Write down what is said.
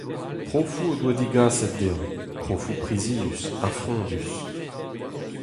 Profoù o doa degaset dezhañ, profoù prizius ha frondus !